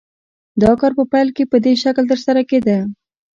دا کار په پیل کې په دې شکل ترسره کېده